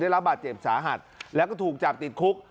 ได้รับบาดเจ็บสาหัสแล้วก็ถูกจับติดคุก